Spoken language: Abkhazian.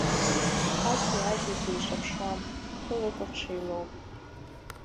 Аӡәи-аӡәи зеиҿаԥшуам, рхы рыкәаҽ еилоуп.